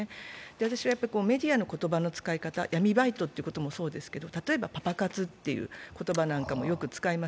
私はメディアの言葉の使い方、闇バイトもそうですけれども、例えばパパ活という言葉なんかもよく使います。